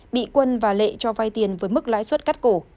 bị quân và lệ cho vay tiền với mức lãi suất cắt